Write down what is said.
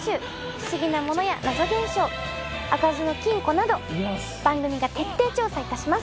不思議なものや謎現象開かずの金庫など番組が徹底調査いたします。